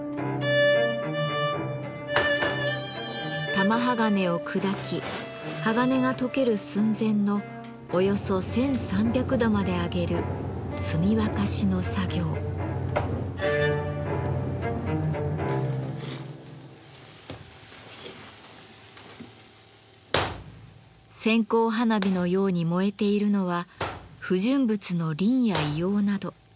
玉鋼を砕き鋼が溶ける寸前のおよそ１，３００度まで上げる線香花火のように燃えているのは不純物のリンや硫黄など。